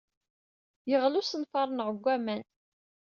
Yeɣli usenfar-nneɣ deg waman.